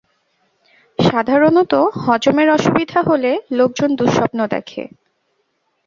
সাধারণত হজমের অসুবিধা হলে লোকজন দুঃস্বপ্ন দেখে।